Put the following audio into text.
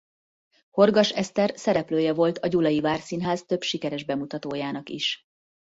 Horgas Eszter szereplője volt a Gyulai Várszínház több sikeres bemutatójának is.